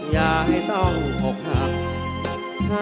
อย่าให้ต้องอกหัก